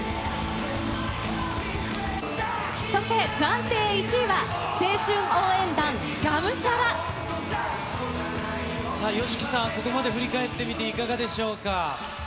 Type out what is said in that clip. そして暫定１位は、さあ、ＹＯＳＨＩＫＩさん、ここまで振り返ってみて、いかがでしょうか。